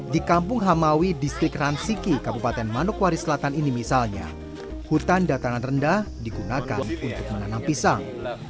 di kampung hamawi distrik ransiki kabupaten manokwari selatan ini misalnya hutan dataran rendah digunakan untuk menanam pisang